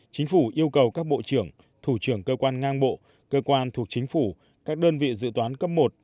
chính phủ yêu cầu các bộ trưởng thủ trưởng cơ quan ngang bộ cơ quan thuộc chính phủ các đơn vị dự toán cấp một